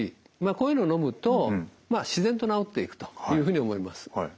こういうのを飲むと自然と治っていくというふうに思います。